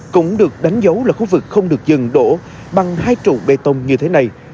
cũng được đánh dấu là khu vực không được dừng đổ bằng hai trụ bê tông như thế này